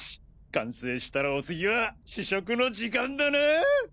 完成したらお次は試食の時間だな！